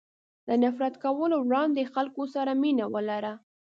له نفرت کولو وړاندې خلکو سره مینه ولره.